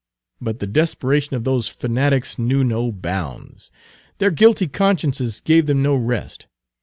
But the desperation of those fanatics knew no bounds; their guilty consciences gave them no rest.